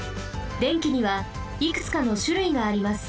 電気にはいくつかのしゅるいがあります。